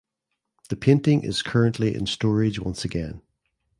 The painting is currently in storage once again.